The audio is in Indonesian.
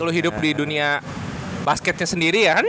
lu hidup di dunia basketnya sendiri ya kan